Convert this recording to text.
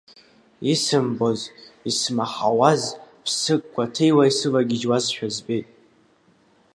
Исымбоз, исмаҳауаз ԥсык гәаҭеиуа исывагьежьуазшәа збеит.